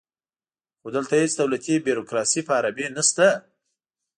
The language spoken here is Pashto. خو دلته هیڅ دولتي بیروکراسي په عربي نشته دی